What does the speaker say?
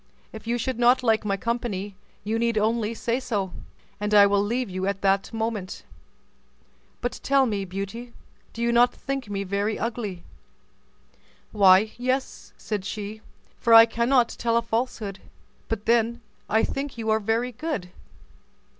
If you should not like my company, you need only say so, and I will leave you that moment. But tell me, Beauty, do you not think me very ugly?" "Why, yes," said she, "for I cannot tell a falsehood; but then I think you are very good."